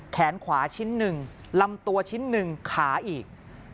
แขนขวาชิ้นหนึ่งลำตัวชิ้นหนึ่งขาอีก